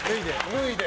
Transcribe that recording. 脱いで？